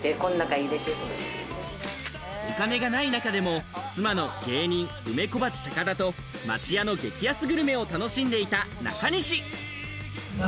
お金がない中でも妻の芸人、梅小鉢・高田と町屋の激安グルメを楽しんでいた中西。